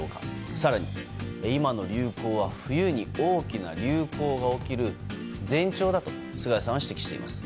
更に、今の流行は冬に大きな流行が起きる前兆だと菅谷さんは指摘しています。